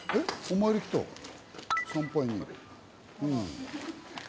参拝に。